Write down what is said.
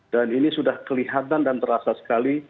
dan ini sudah kelihatan dan terasa sekali